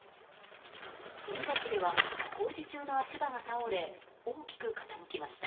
墨田区では工事中の足場が倒れ大きく傾きました。